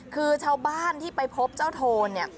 คือชาวบ้านที่ไปพบเจ้าโทนเนี่ย